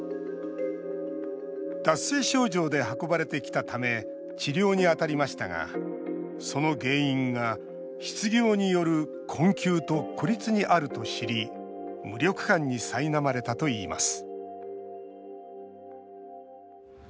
脱水症状で運ばれてきたため治療に当たりましたがその原因が失業による困窮と孤立にあると知り無力感にさいなまれたといいます